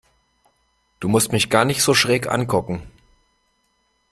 Du musst mich gar nicht so schräg angucken.